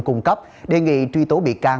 cung cấp đề nghị truy tố bị can